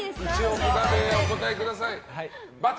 札でお答えください。